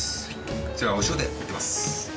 こちらお塩でいってます